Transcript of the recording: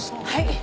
はい。